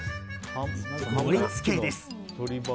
盛り付けです。